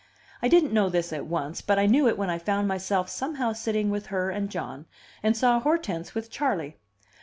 I didn't know this at once, but I knew it when I found myself somehow sitting with her and John, and saw Hortense with Charley.